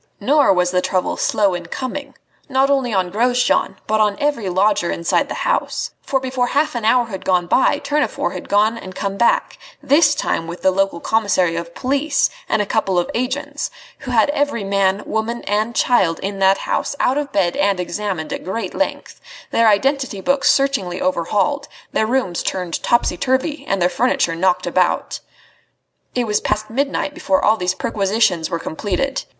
Nor was the trouble slow in coming, not only on Grosjean, but on every lodger inside the house; for before half an hour had gone by Tournefort had gone and come back, this time with the local commissary of police and a couple of agents, who had every man, woman and child in that house out of bed and examined at great length, their identity books searchingly overhauled, their rooms turned topsy turvy and their furniture knocked about. It was past midnight before all these perquisitions were completed.